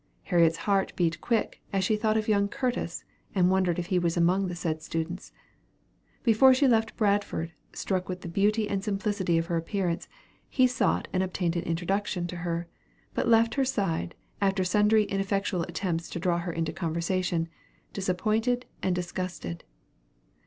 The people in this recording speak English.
Harriet's heart beat quick, as she thought of young Curtis, and wondered if he was among the said students. Before she left Bradford, struck with the beauty and simplicity of her appearance, he sought and obtained an introduction to her, but left her side, after sundry ineffectual attempts to draw her into conversation, disappointed and disgusted.